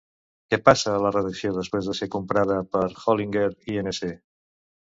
Què passa a la redacció després de ser comprada per Hollinger Inc.?